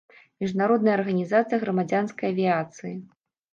Міжнародная арганізацыя грамадзянскай авіяцыі.